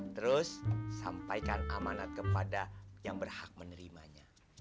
terus sampaikan amanat kepada yang berhak menerimanya